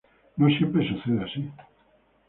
No siempre sucede así.